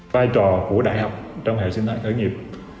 vai trò của đại học trong hệ sinh thái khởi nghiệp